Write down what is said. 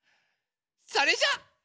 それじゃあ。